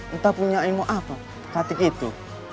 entah punya imut apa pekatik itu